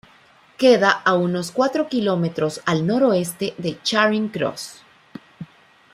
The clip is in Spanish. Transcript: Queda a unos cuatro kilómetros al noroeste de Charing Cross.